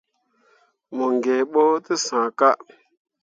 Mo gee ɓo te sah ka.